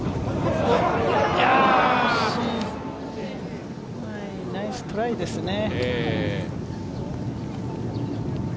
惜しい、ナイストライですね。